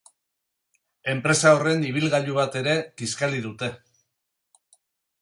Enpresa horren ibilgailu bat ere kiskali dute.